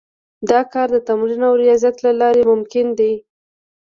دا کار د تمرین او ریاضت له لارې ممکن دی